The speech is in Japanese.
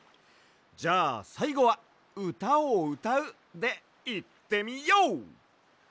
じゃあさいごは「うたをうたう」でいってみＹＯ！